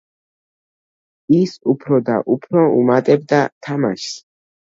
ის უფრო და უფრო უმატებდა თამაშს.